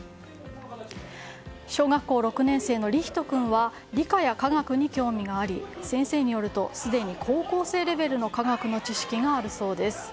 小学校６年生の、りひと君は理科や科学に興味があり先生によると、すでに高校生レベルの科学の知識があるそうです。